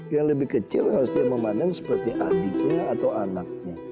yang lebih kecil harus dia memandang seperti adiknya atau anaknya